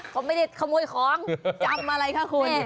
เขาไม่ได้ขโมยของจำอะไรคะคุณ